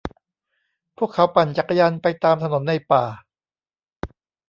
พวกเขาปั่นจักรยานไปตามถนนในป่า